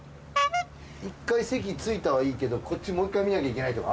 一回席着いたはいいけどこっちもう一回見なきゃいけないとか。